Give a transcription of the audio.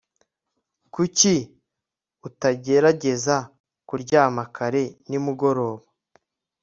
Kuki utagerageza kuryama kare nimugoroba